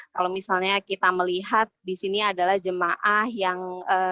kalau misalnya kita melihat disini adalah jemaah yang